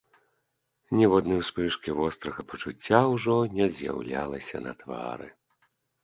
Ніводнай успышкі вострага пачуцця ўжо не з'яўлялася на твары.